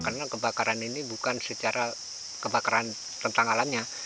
karena kebakaran ini bukan secara kebakaran tentang alamnya